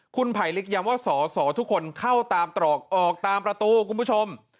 คุณไผลลิกย้ำว่าสอสอทุกคนเข้าตามตรอกออกตามประตูคุณผู้ชม